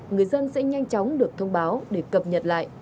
người dân sẽ nhanh chóng được thông báo để cập nhật lại